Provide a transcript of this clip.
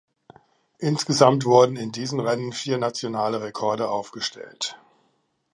Insgesamt wurden in diesem Rennen vier nationale Rekorde aufgestellt.